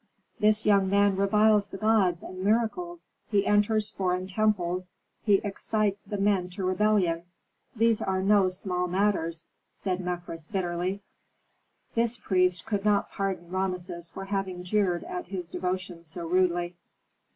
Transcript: '" "This young man reviles the gods and miracles; he enters foreign temples, he excites the men to rebellion. These are no small matters," said Mefres, bitterly. This priest could not pardon Rameses for having jeered at his devotion so rudely.